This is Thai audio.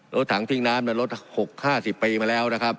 รถถังทิ้งน้ำมันรถหกห้าสิบปีมาแล้วนะครับ